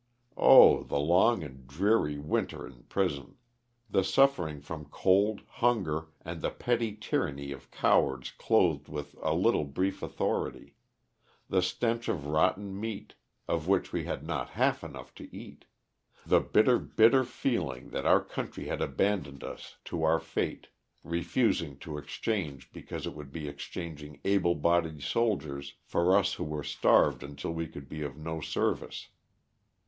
Oh I the long and dreary winter in prison; the suffering from cold, hunger, and the petty tyranny of cowards clothed with a little brief authority; the stench of rotten meat, of which we had not half enough to eat ; the bitter, bitter feeling that our country had aban doned us to our fate, refusing to exchange because it would be exchanging able bodied soldiers for us who were starved until we could be of no service.